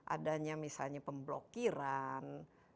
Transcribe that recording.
adanya misalnya pemblokiran